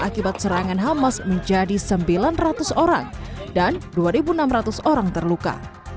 akibat serangan hamas menjadi sembilan ratus orang dan dua enam ratus orang terluka